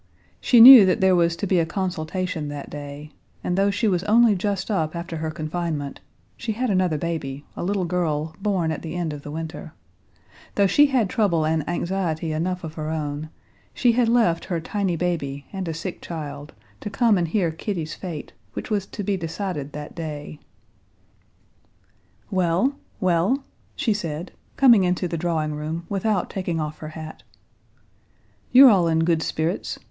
She knew that there was to be a consultation that day, and though she was only just up after her confinement (she had another baby, a little girl, born at the end of the winter), though she had trouble and anxiety enough of her own, she had left her tiny baby and a sick child, to come and hear Kitty's fate, which was to be decided that day. "Well, well?" she said, coming into the drawing room, without taking off her hat. "You're all in good spirits.